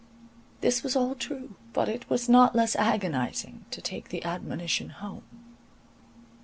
This was all true; but it was not less agonizing to take the admonition home.